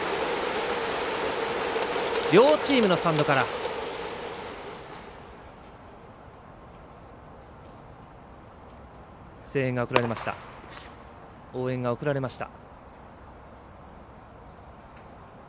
両チームのスタンドから声援と応援が送られました。